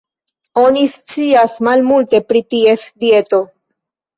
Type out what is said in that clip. Oni scias malmulte pri ties dieto.